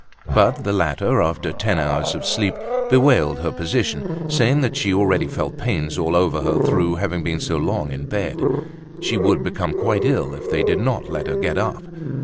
But the latter, after ten hours of sleep, bewailed her position, saying that she already felt pains all over her through having been so long in bed. She would become quite ill if they did not let her get up.